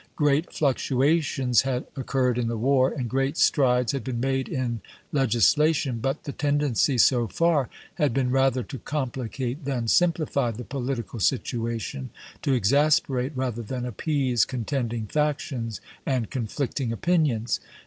Great fluctuations had oc curred in the war, and great strides had been made in legislation; but the tendency so far had been rather to complicate than simplify the political situation, to exasperate rather than appease con tending factions and conflicting opinions.